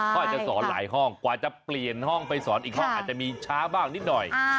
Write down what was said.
เขาอาจจะสอนหลายห้องกว่าจะเปลี่ยนห้องไปสอนอีกห้องอาจจะมีช้าบ้างนิดหน่อย